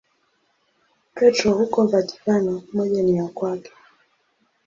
Petro huko Vatikano, moja ni ya kwake.